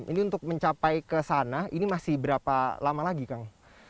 ini untuk mencapai ke sana ini masih berapa lama lagi kang